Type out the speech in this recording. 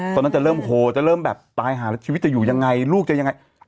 ตอนนั้นจะเริ่มโหจะเริ่มแบบตายหาแล้วชีวิตจะอยู่ยังไงลูกจะยังไง